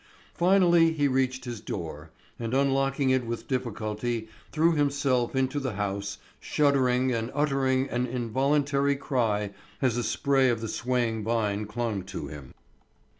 Finally he reached his door, and unlocking it with difficulty threw himself into the house, shuddering and uttering an involuntary cry as a spray of the swaying vine clung to him.